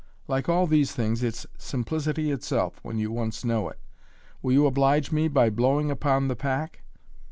Like all these things, it's simplicity itself, when you once know it. Will you oblige me by blowing upon the pack